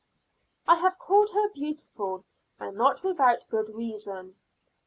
I have called her beautiful, and not without good reason.